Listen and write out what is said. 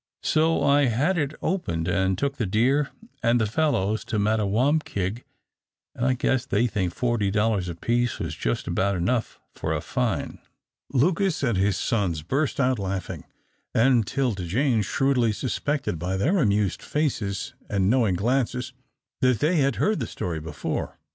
So I had it opened and took the deer and the fellows to Mattawamkeag, and I guess they think forty dollars apiece was just about enough for a fine." Lucas and his sons burst out laughing, and 'Tilda Jane shrewdly suspected by their amused faces and knowing glances that they had heard the story before.